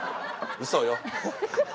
うそよ。